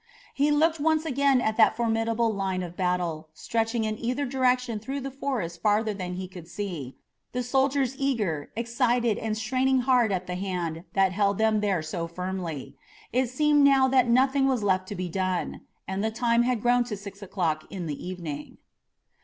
He looked once again at that formidable line of battle, stretching in either direction through the forest farther than he could see, the soldiers eager, excited and straining hard at the hand that held them there so firmly. It seemed now that nothing was left to be done, and the time had grown to six o'clock in the evening.